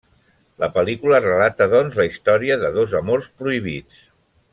La pel·lícula relata doncs la història de dos amors prohibits.